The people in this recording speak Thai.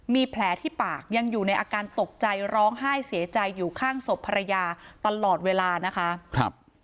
มีแผลที่ปากยังอยู่ในอาการตกใจร้องไห้เสียใจอยู่ข้างศพภรรยาตลอดเวลานะคะ